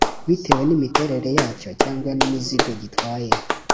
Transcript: bitewe n'imiterere yacyo cyangwa n'imizigo gitwaye